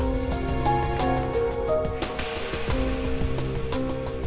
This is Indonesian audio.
oke makasih ya